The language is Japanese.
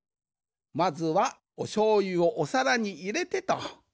まずはおしょうゆをおさらにいれてと。